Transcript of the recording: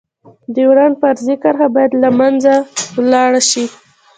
ډيورنډ فرضي کرښه باید لمنځه لاړه شی.